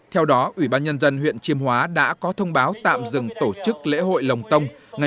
theo đó ubnd huyện chiêm hóa đã có thông báo tạm dừng tổ chức lễ hội lồng tông